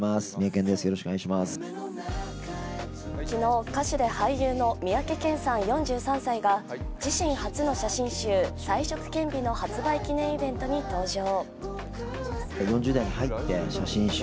昨日、歌手で俳優の三宅健さん４３歳が自身初の写真集「才色健美」の発売記念イベントに登場。